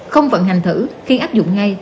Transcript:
không vận hành thử khi áp dụng ngay